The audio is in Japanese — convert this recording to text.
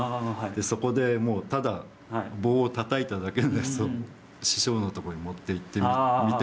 そこでもうただ棒をたたいただけのやつを師匠のところに持っていって見てもらって。